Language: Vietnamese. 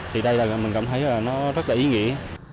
thì đây là mình cảm thấy là nó rất là ý nghĩa